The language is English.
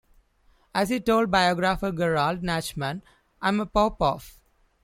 As he told biographer Gerald Nachman, I'm a pop-off.